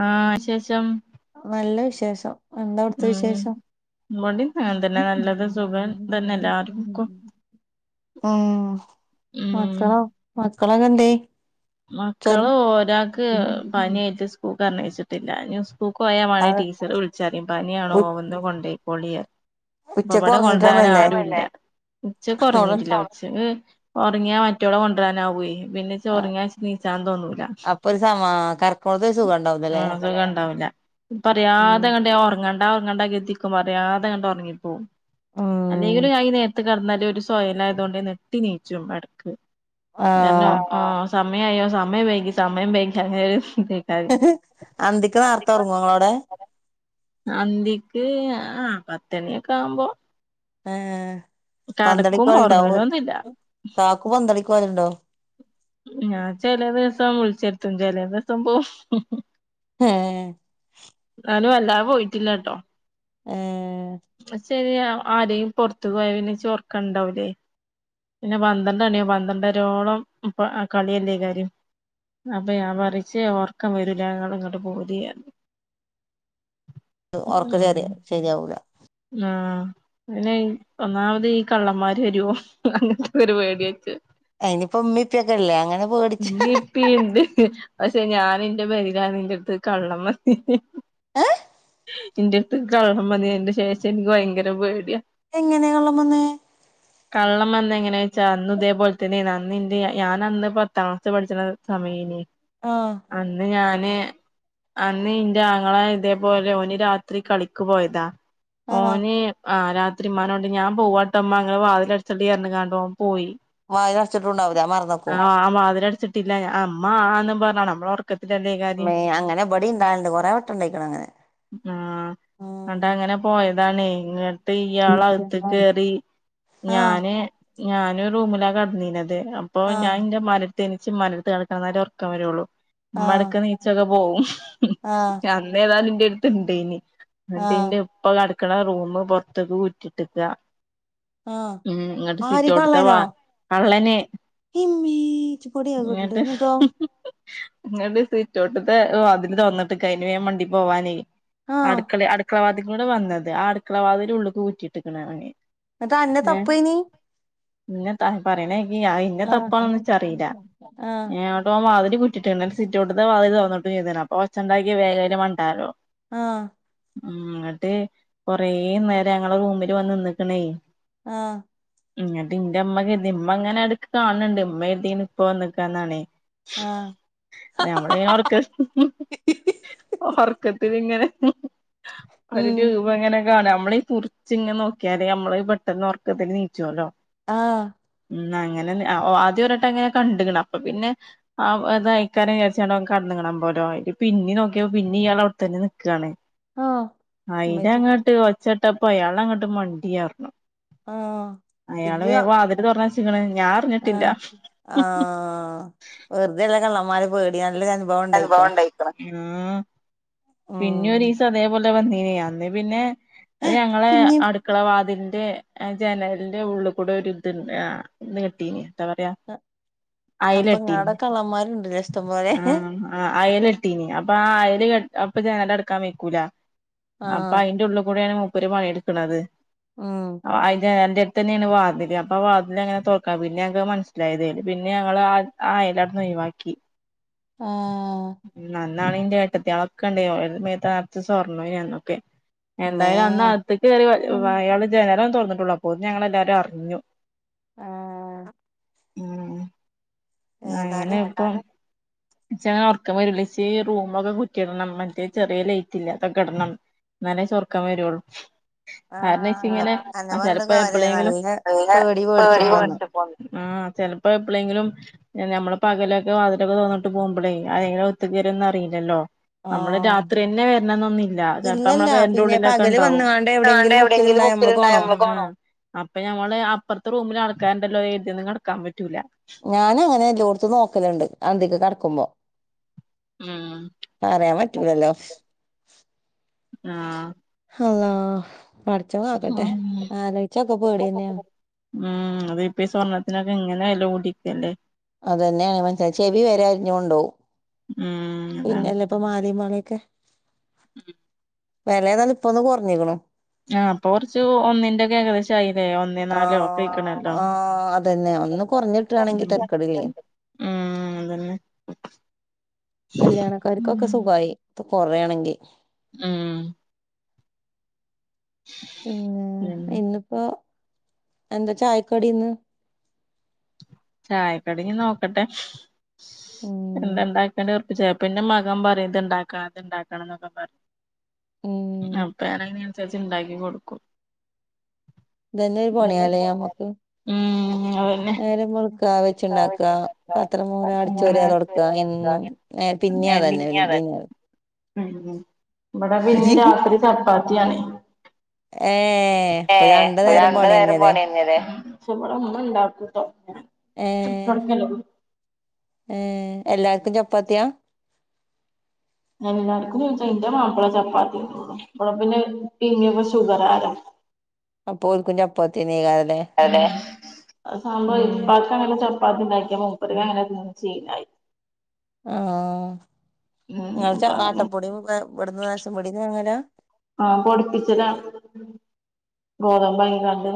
ആ ശേഷം നല്ല വിശേഷം എന്താ അടുത്ത വിശേഷം ടി ങ്ങൻ തന്നെ നല്ലത് സുഖം തന്നെ എല്ലാർക്കും ഉം ഉം മക്കളോ മക്കളൊക്കെ എന്ത മക്കള് ഒരാൾക്ക് പനിയിട്ട് സ്കൂ കണ്ണയിച്ചിട്ടില്ല പൂക്കയാ മാണ ആ ടീച്ചറ് വിളിച്ചറിയ പനിയാണോ ഉ എന്ന കൊണ്ട പോയിക്കള അപ്പൊ ഉച്ചക്ക് അവിടെ കൊളരാന ഉറങ്ങീട്ടൊന്നുല്ലേ ആരു ഇല്ല ഉച്ച അവടെ കൊറങ്ങീട്ടില്ല ഉച്ച ഉറങ്ങിയാ മറ്റോടെ കൊണ്ടുവരാനാ പിന്നെ ചോറങ്ങ ചാന്തോ ഒന്നല അപ്പൊ ഒരു സമാ കറക്കണോടത്ത് ഒരു സുഖം ഉണ്ടാവുന്നല്ലേ ആ അതണ്ടാവില്ല ഉം പറയാതെ എങ്ങ ഓർ ങ്ങണ്ടാങ്ങണ്ട എത്തിക്ക പറയാതെങ്ങ ഉറങ്ങിപ്പോ ഉം അല്ലെങ്കില് ആ നേരത്ത് കിടന്നാല് സോയലായത കൊണ്ട് നെട്ടി നീച്ചും മടക്ക് എന്ന ആഹ് ആ സയോ സമയ വൈകി സമയം വേക അന്തിക്ക് നേർത്ത ഉറങ്ങു അവിടെ അന്ദിക്ക് ആ പത്തണിയൊക്കെ ആവുമ്പോ ആ കടക്കും പന്തളിക്കലുണ്ടാവ ഉറങ്ങലൊന്നുല്ല കക്ക് പന്തളിക്ക പോലണ്ടാവ ഞാൻ ചില ദിവസം വിളിച്ചടുത്തും ചില ദിവസം പോവും എ താ പോയിട്ടില്ല കേട്ടോ ഏ ശരി ആരെയും പോറത്തു പോയന്നെ ചോർക്കുണ്ടാവലേ പിന്നെ പന്ത്രണ്ടാണിയോ പന്ത്രണ്ടരോളം കളിയല്ലേ കാര്യം അപ്പ ഞാൻ പററിച്ച് ഓർക്കം വരൂ ഞങ്ങ ഇങ്ങോട്ട് പോതിയരുന്നു ഉറക്ക ചരി ശരിയാവല ആ പിന്നെ ഒന്നാമത് ഈ കള്ളന്മാര് വരുവോ അങ്ങനത്തെ ഒരു പേടി അയിനിപ്പോ ഉമ്മിപ്പൊക്കെല്ലേ അങ്ങനെ പേടിച്ച ബി പിണ്ട് പക്ഷെ ഞാന ന്റെ ബരികാ ഇൻ്റെ അടുത്ത് കള്ളന്മാര് ഇന്റെ അടുത്ത് കള്ളം മതിൻ്റെ ശേഷം എനിക്ക് ഭയങ്കര പേടിയ എങ്ങനെയ കൊള്ളമന്ന് എങ്ങനാ വെച്ചാ അന്ന് ഇതേപോലെ തന്നെന്ന് എന്റെ ഞാൻ അന്ന് പാംക്ലാസ്ൽ പഠിച്ചണ സമയനേ ആഹ് അന്ന് ഞൻ അന്ന് ഇന്റെ ആങ്ങളെ ഇതേപോലെ ഓന് രാത്രി കളക്ക് പോയതാ ആഹ് ഓന് ആ രാത്രിമാനോണ്ട് ഞാൻ പോവാട്ടമ്മ അങ്ങെ വാതിൽ അടിച്ചട്ട ചാണ്ടോ പോയി വായ അടച്ചിട്ടുണ്ടാവൂല മറന്നക്കും ആ മാതിടു ട്ടില്ല അമ്മ ആ ന്ന് പറഞ്ഞ ന മ അങ്ങനെ ബടി ഉണ്ടായിണ്ട് കൊറെ വെട്ടം ഉണ്ടായിക്കണ അങ്ങനെ ആ ഉം കണ്ടാ അങ്ങനെ പോ യതാണ് ഇങ്ങട്ട് ഇയാള അകത്ത് കേറി ആഹ് ഞാന് ഞാനൻ റൂമിലാ കടന്നീനത് അപ്പൊ ആഹ് ഞാൻ എൻന്റെ മര തിരിച്ച് മലർത്ത് കടനാലേ ഉറക്കം വരുള്ളൂ ആഹ് ഉമ്മടക്ക നീച്ചൊക്കെ പോകവും ആഹ് അന്ന് ഏതാലും എന്റെ അടുത്ത് ഇണ്ട് ഇനി ആഹ് എന്നിട്ട് ഉപ്പ കടക്കണ റൂമ പുൊറത്തേക്ക് കുറ്റിട്ടേക്കാ ആഹ് ഉം എന്നിട്ട് ആര് സിറ്റൗട്ട്ത്ത് വാ കള്ളനോ കള്ളന് ഇമ്മേ ഇജ്ജ് പൊടിയാ കേട്ടിട്ട് എന്നങ്ങിട്ട് എന്നിട്ടോ നിങ്ങ സീറ്റോട്ടത്തെ അതിന് തോന്നിട്ട് കഴന് വേൻ വണ്ടി പോവാനേ ആഹ് അടുക്കള അടുക്കളവാദ കൂടെ വന്നത് ആ അടുക്കളവാദൽ ഉള്ള കൂറ്റിട്ടക്കണണെ എന്നിട്ട് അന്നെ തപ്പയിന് ഇന്നെ പറയണ ഇന്നെ ആഹ് തപ്പാണ വച്ചറിയില്ല ആഹ് ങ്ങോട്ട പോകുമ്പോ കട്ടിട്ടുണ്ട് സിറ്റൗട്ടത്ത് വതി തുറന്നിട്ട് [unintelligible] അപ്പൊ ഒച്ച ഉണ്ടാക്ക വേഗം മണ്ടാലോ ആ ഉ അങ്ങട്ട് കൊറേ നേരം ഞങ്ങളെ റൂമില് വന്ന് നിന്നക്കണേ ആ എന്നിട്ട് ഇന്റെ അമ്മുതി ഇമ്മ അങ്ങനെ അടുക്ക് കാണണ്ട് ഇമ്മ എഴുതി ഇപ്പ വന്ന് നിക്കാന്നാണേ ആഹ് നമ്മള ഇങ്ങനെ ഉർക്ക ഉറക്കത്തി ഇങ്ങനെ ഒരു ഉം രൂപ എങ്ങനെ താണ്നമ്മളീ തുറിച്ച് ഇങ്ങനെ നോക്കിയാലേ നമ്മള് പെട്ടെന്ന് ഉറക്കത്തി നീച്ചുവല്ലോ ആഹ് ന്നഅങ്ങനെ ആദ്യം ഒരട്ടം അങ്ങനെ കണ്ടണം അപ്പ പിന്നെ ആ ഇത് ആരായിക്കാരം വിചാരിച്ച ക പോലോ പിന്നെ നോക്കിയ പിന്നെ ഇയാൾ അവിടു തന്നെ നിക്കാണ് ആഹ് ഉമ്മച്ചി അയിലങ്ങോട്ട് ഒച്ചേട്ടപ്പ അയാള അങ്ങോട്ട് മണ്ടിയർന്നു ആഹ് ഇജ് തൊറന്നച്ച്ക്ക്ണ് ഞാൻ അറിഞ്ഞിട്ടില്ല ആഹ് ആഹ് വെറുതെല്ല കള്ളന്മാര് പേടിയാനുള്ളരു അനുഭവം ഉണ്ടായിക്കണ് ആഹ് പിന്നെ ഒരീസം അതേപോലെ വന്നീനീ അന്ന്പിന്നെ അത് ഞങ്ങളെ പിന്നിം അടുക്കള വാതിൽ ന്റെ ആഹ് ജനലിന്റെ ഉള്ളിൽ കൂടെ ഒരു ഇത്ണ്ട് ആഹ് ഇത് കിട്ടീനി എന്താ പറയാ അപ്പൊ അയലെട്ടീനി ഇങ്ങാട കള്ളന്മാരുണ്ടലെ ഇഷ്ടംപോലെ അയലട്ടീനി അപ്പൊ ആ അയല് ക അപ്പൊ ഞനല് അടക്കാൻ വെക്കൂല അപ്പൊ ആഹ് അയിന്റെ ഉള്ളിൽ കൂടെയാണ് മുപ്പര് പണി എടുക്കണുന്നത് ഉം അഹ് ജനാലൻ്റെ എഡ്ത് തന്നെയാണ് വാതില് അപ്പംആ [unintelligible] വാതില് അപ്പൊ അങ്ങനെ തൊറക്ക പിന്നെ ഞങ്ങൾക്ക് മനസ്സിലായതേല് പിന്നെ ഞങ്ങൾ ആ അയല് വാക്കി ആഹ് നന്നാണ് ഇന്റെ ഏട്ടത്തി ആളൊക്കെണ്ടേ എല്ലാടെ മേത്ത് സ്വർണനന്നൊക്കെ മ്മേ എന്തായാലും അന്ന് അടുത്തേക്ക് കയറി അയാള് ജനല് തുറന്നിട്ടുള്ളൂ അപ്പോത്തിനും ഞങ്ങൾ എല്ലാരും അറിഞ്ഞു ആഹ് ഉം അങ്ങനെ ഏതാലും ഇപ്പം ചാണെ ഉർക്കം വരൂല ച്ച് റൂമൊക്കെ കുറ്റിയിടണം മറ്റേ ചെറിയ ലൈറ്റ്ല്ല അതൊക്കെ ഇടണം എന്നാലെ ച് ഒർക്കം വരുള്ളൂ കാരണം ആഹ് ച്ച് ഇങ്ങനെ അന്നപ്പ അന്നെ പറഞ്ഞിട്ട് ചെലപ്പോ കാര്യല്ല എപ്പളെങ്കിലും നല്ല പേടി പേടിച്ച്ക്കോന്ന് [unintelligible] ആഹ് ചിലപ്പോ എപ്പോഴെങ്കിലും നമ്മള് പകലൊക്കെ വാതിലൊക്കെ തുറന്നിട്ട് പോകുമ്പ [unintelligible] അത്തുക്കയരന്ന് അറീലല്ലോ നമ്മള് ആഹ് രാത്രി തന്നെ വരണന്നൊന്നില്ല ചിലപ്പോ നമ്മള് ഇല്ലല്ല പിന്നെ പരന്റെഉള്ളിലൊക്കെ പകല് ഉണ്ടാവും വന്ന്കാണ്ട് എവിടെയെങ്കിലും [unintelligible] മുക്കിലുണ്ടായ മുക്കിൽ ഇണ്ടായാ നമ്മള് കാണോ അപ്പൊ ഞമ്മള് അപ്പുറത്തെ റൂമിൽ ആൾക്കാറണ്ടല്ലോ കരുതി കിടക്കാൻ പറ്റൂല ഞാനങ്ങനെ എല്ലോട്ത്തും നോക്കല്ണ്ട് അന്തിക്ക് കടക്കുമ്പോ ആഹ് ഇല്ലല്ലോ ആഹ് ആഹ് പടച്ചോൻ കാക്കട്ടെ ഉം ആലോയിചാക്കൊ പേടിയന്നെയാണ് ഉം അത് ഇപ്പ സ്വർണത്തിനൊക്കെ ഇങ്ങനെ വില കൂടിക്കല്ലേ അതന്നെയാണ് മറ്റെ ചെവി വരെ അരഞ്ഞു കൊണ്ടോവും ഉം അതാണ് പിന്നെല്ല ഇപ്പൊ മാലമവളൊക്കെ [unintelligible] വില ഏതായാലുംഇപ്പൊ ഒന്ന് കുറഞ്ഞിക്ക്ണ് ആഹ് ഇപ്പൊ കുറച്ച് ഒന്നിന്റെറ ഒക്കെ ഏകദേശം ആയി അല്ലെ ഒന്നേ നാലോ ആഹ് ഒക്കയ്ക്ക്ണല്ലോ ആഹ് അതന്നെ ഒന്ന് കൊറഞ്ഞിട്ടാണെങ്കി തരക്കേടില്ലേ ഉം അതന്നെ കല്യാണക്കാർക്കൊക്കെ സുഖായി ഇപ്പ കൊറയാണെങ്കിൽ ഉം പി പിന്നെ ഇന്നിപ്പോഎന്താ ചായക്കടി ഇന്ന് ചായക്കടി നോക്കട്ടെ ഉം എന്തണ്ടാക്കേ ചേപ്പന്റെ മകൻ പറയും ഇത് ഇണ്ടാക്കണം ഇത് ഇണ്ടാക്കണം എന്നൊക്കെ പറയും ഉം അപ്പനങ്ങന അനുസരിച്ച് ഉണ്ടാക്കി കൊടുക്കും ഇതന്നെ ഒരു ഉം പണിയാല നമ്മക്ക് ഉം അതന്നെ നേരം വെളു ക്കവെച്ചുണ്ടാക്ക പത്രം മോറാ അടിച്ച് വരുക തുടക്കുക എന്നും പിന്നിം അതന്നെ പി ഉ ബട പിന്നീ രാത്രി ചപ്പാത്തി ആണെ ഏഹ് ഏ ഇപ്പൊ രണ്ടു രണ്ട നേരം പണിയന്നെല്ലേ പണിലേ പക്ഷ ഇവിടെ ഒന്നും ഉണ്ടാക്കട്ടോ ഉം ഉം എല്ലാർക്കും ചപ്പാത്തിയാ ഞാന എല്ലടക്കുംതിന്റെ മാപ്പിള ചപ്പാത്തി ഒന്നള്ളു അള പിന്നെ പിന്നെ ഷുഗർ ആര അപ്പൊ ഒലക്കും ചപ്പാത്തി അെ സംഭവ ഇപ്പക്ക അങ്ങനെ ചപ്പാത്തി ഉണ്ടാക്കാ മൂപ്പര അങ്ങനെ ചീന ആഹ ഉം അപ്പൊ ങ്ങ അങ്ങനെ ആട്ടപ്പൊടിയും ഇവിടന്ന് നശം പൊടന്ന് അങ്ങല്ലോ ആഹ പൊടിിപ്പിച്ചട്ട ഗോതമ്പ ഭയ കാാണ്ട്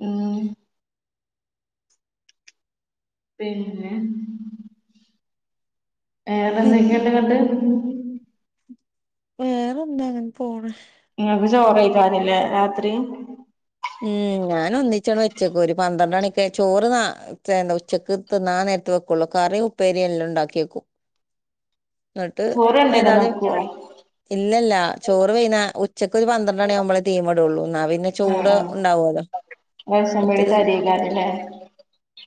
ആ പിന്നെ വേറെ എന്തൊക്കെയുണ്ട് ഇങ്ങട്ട് വേറെൊന്താ അങ്ങനെ പോണ ഇങ്ങക്ക് ചോറയിക്കാരല്ലേ രാത്രി ഉം ഞാൻ ഒന്നിച്ചാണ് വെച്ചേക്ക ഒരു പന്ത്ര മണിക്ക് ചോറ്ാ എന്താ ഉച്ചക്ക് തിന്നാ വെക്കുള്ള കാറി ഉപ്പേരിയല്ല ഉണ്ടാക്കിയേക്കും എന്നിട്ട് ചോറ് കൊണ്ടരാൻ ഏതാത് നിക്കുവോ ഇല്ലല്ല ചോറ് പെയന ഉച്ചക്ക് ഒരു പന്ത്രണ്ട മണിയ ആവുമ്പോളേ തീമടള്ളൂ എന്നാ പിന്നെ ആഹ് ചൂട് ആഹ് ഉണ്ടാവല്ലോ റേഷൻ മറ്റത് പീടിയത്തെ അരിയായിക്കാരല്ലേ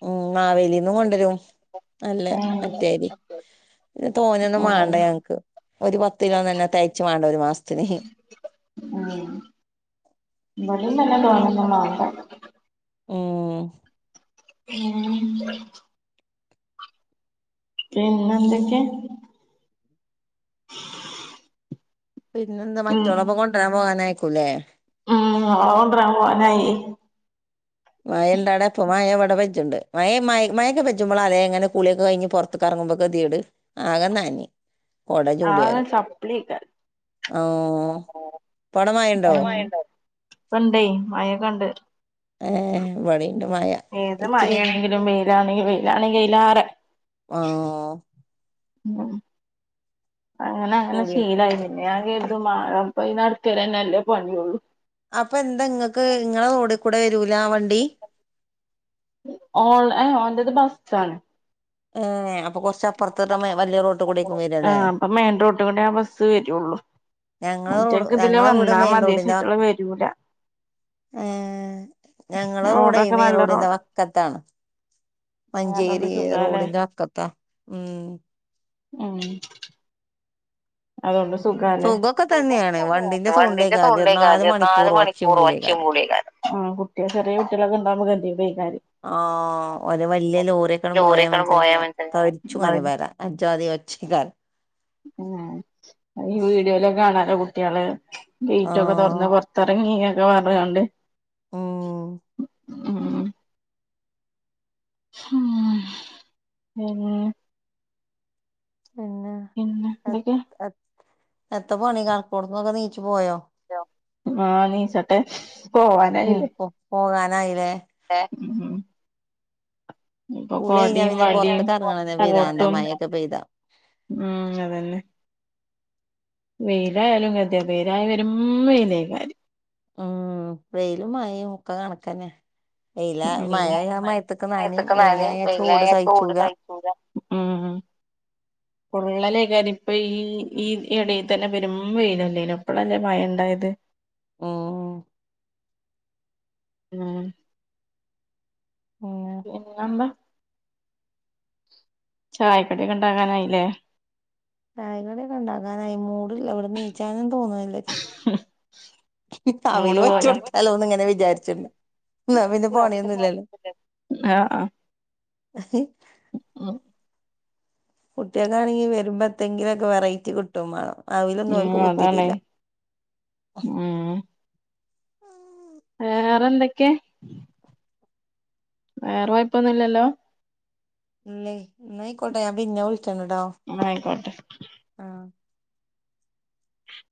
ഉ മാവേലി ന്നും കൊണ്ടരും നല്ല ഉം മറ്റരി പിന്നെ തോന്നൊന്നും ഉം വേണ്ട ഞങ്ങക്ക് ഒരു പത്ത് കിലോ തന്നെ തയ്ച്ച്ു വേണ്ട ഒരു മാസത്തിന് ഉ വട തന്നെ തോന്നുന്ന മാ്പ ആഹ പിന്ന പിന്നെ എന്തൊക്കെ പിന്നെ എന്ത്ാ മറ്റുള്ളവ കൊണ്ടുവരാൻ പോകാന ആക്കൂല്ലേ ഉം അവള കൊൊണ്ടരാൻ പോവാനായി മഴണ്ടാടെ അപ്പൊ മഴ എവിടെ വെച്ചുണ്ട് മ മയൊെ വെച്ചുമ്പോൾ അലെ എങ്ങനെൂളിയൊക്കെ കഴിഞ് പുറത്ത കറക്ക ങ്ങുമ്പൊക്കതിീട് ആകെ നാന്ി ആെ ചപ്പളിക്ക ആഹ് ഇപ്പവടെ മഴണ്ടോ മണ്ട കണ്ടേ മഴൊക്കണ്ട് ഏർ വടുണ്ട് മായ ഏത് ഇച്ചു പിന്നെ മഴയാണെങ്കിലും വെയിലാണെങ്കി വെയിലാണെങ്കി അയിലേറെ ഓ ഉഹ അങ്ങനെ അങ്ങനെ കുളി ശീലായി നിന്നൊ കരുതു മാറ ഇ നടുത്തരെ നല്ലേ പണിയള്ളു അപ്പൊ എന്താ നിങ്ങൾക്ക് ഇങ്ങളെ ടെ കൂടെ വരൂല വണ്ടി ഓൺ ഓന്റെത് ബസ്റ്റാണ് ഏ അപ്പൊ കൊറച്ച അപ്പുറത്തട്ട വലിയ റോട്ട് കൂട ഒക്കും വരല്ലേ ആഹ് അപ്പൊ മെയിൻ റോട്ട് കൂടെ ആ ബസ്സ് വരുള്ളൂ ഞങ്ങള റോഡ് മറ്റേക്ക് ഇതിലെ ഞങ്ങളെ വീട് വന്നാ മെയിൻ മതി റോഡിന്റെ ആ ശെരിക്കുള്ള വരൂല ഞങ്ങള റോഡ റോഡൊക്കെ മെയിൻ നല്ല റോഡിന്റെ റോഡ വക്കത്താണ് അതുകൊണ്ട് മഞ്ചേരി ഡ സുഖാലേ ഇന് ആക്കത്താ ഉം ഉ അതൊണ്ട് സുഖ സുഖൊക്കെ തന്നെയാണ് സഖ വണ്ടിന്റെ സൗണ്ടേക്കാരം ഇരുപത്തിനാല് തൊണ്ടേക്ക നാാല മണിക്കൂറും ഒച്ചിം മണിക്കൂർ ഒച്ചയും ബുളിയേക്കാരം കൂടിയക്കാല ആ കുട്ടിയ ചെറിയ കുട്ടികളൊക്കെ ഉണ്ട ആ ഒരു വലിയ ലോറൊക്കാണ് പോയാ ലോറിയൊക്കെണ്ട് മനസ തരിച്ചുങ്ങനെ മനസ്സിലാവും വരാം അജ്ാ സച്ചകാല ഉം ഈ വീഡിയോലൊക്കെ കാണാലോ കുട്ടികള് കെറ്റൊക്കെ ആഹ് തുറന്ന് പുൊറത്തിറങ്ങി ഒക്കെ പറഞ്ഞോണ്ട് ആ ഹും പിൻ പിന്നെ എന്തൊക്കെയാ? എത്ര പണി കാൽക്കോട് നിന്നൊക്കെ നീച്ചു പോയോ? ആഹ് നീച്ചട്ടെ പോവാനായില്ലേ പോ പോകാനായില്ലേ? ഏഹ്. ഇപ്പൊ കുളി കഴിഞ്ഞാ കൊടെയും പിന്നെ വടിയും പൊറത്ത്ക്ക് എറങ്ങണന്നെ പിരാന്താ കോട്ടും മഴൊക്കെ പെയ്താ ഉം അതന്നെ. വെയിലായാലും കതിയ വെയിലായി വരും വെയില കാര്യം. ഉം വെയിലും മയയും ഒക്കെ കണക്കന്നെ. വെയില മഴ മയത്ത്ക്ക് നനയും മേത്ത്ക്ക് വെയില നനിം ചൂട് വെയിലായ സഹിച്ചൂല. സഹിക്കൂല ഉള്ളലേക്കാര് ഇപ്പ ഈ ഈ ഇടയിൽ തന്നെ വെരും വെയിലന്നെലോ ഇപ്പളല്ലേ മയണ്ടായത്. ഉം. ഏഹ്? ഉം പിന്നെന്താ? ചായക്കടിയൊക്കെ ഇണ്ടാക്കാനായില്ലേ? ചായ കടിയൊക്കെ ഇണ്ടാക്കാനായി മൂടില്ല ഇവിടന്ന് നീച്ചാനും തോന്നുന്നില്ല ച്ച അവൽ അങ്ങോട് പോയോ വച്ചൊടുത്താലോന്ന് ഇങ്ങനെ വിചാരിച്ചിണ്ട്. എന്നാ പിന്നെ പോണിയൊന്നും ഇല്ലല്ലോ. ആഹ് ആഹ് ഉം കുട്ട്യാക്ക് ആണെങ്കി വരുമ്പോ എത്തെങ്കിലൊക്കെ വെറൈറ്റി കിട്ടും വേണം. അവുലൊന്നും ഉം ഓൽക്ക് അതാണേ പുത്തിരില്ല വേറെന്തക്കെ വേറെ കൊയപ്പൊന്നും ഇല്ലല്ലോ ഇല്ലെ യ് ഇന്നായ്ക്കോട്ടെ ഞാൻ പിന്നെ വിളിച്ചണ്ട് ട്ടോ ആയിക്കോട്ടെ ആഹ്.